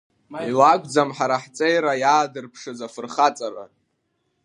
Илакәӡам ҳара ҳҵеира иаадырԥшыз афырхаҵара.